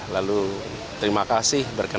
lalu terima kasih berkata